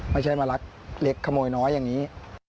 ไม่ใช่มารักเล็กขโมยน้อยอย่างนี้